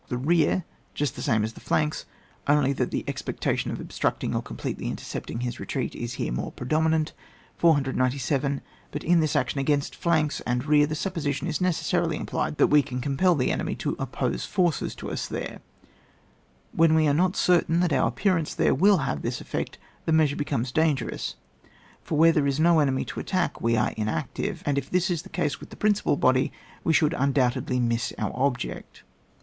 The rear, just the same as the flanks, only that the expectation of ob structing or completely intercepting his retreat is here more predominant. 497. But in this action against flanks and rear, the supposition is necessarily implied that we can compel the enemy to oppose forces to us there ; when we are not certain that our appearance there ynUl have this effect, the measure becomes dangerous : for where there is no enemy to attack, we are inactive, and if this is the case with the principal body, we should undoubtedly miss our object.